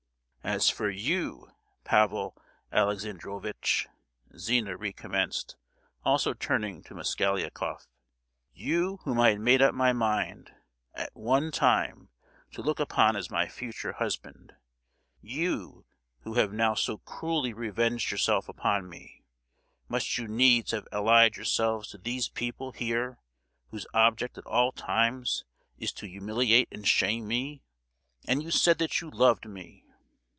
"As for you, Pavel Alexandrovitch," Zina recommenced, also turning to Mosgliakoff, "you whom I had made up my mind, at one time, to look upon as my future husband; you who have now so cruelly revenged yourself upon me; must you needs have allied yourself to these people here, whose object at all times is to humiliate and shame me? And you said that you loved me!